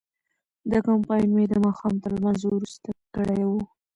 دا کمپاین مې د ماښام تر لمانځه وروسته کړی و.